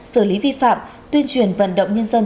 xử lý vi phạm tuyên truyền vận động nhân dân